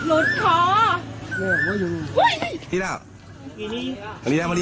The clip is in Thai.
ออกไปแล้วฝนที่ร้อย